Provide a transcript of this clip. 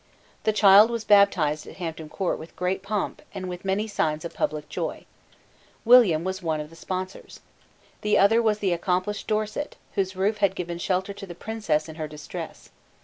The child was baptized at Hampton Court with great pomp, and with many signs of public joy. William was one of the sponsors. The other was the accomplished Dorset, whose roof had given shelter to the Princess in her distress.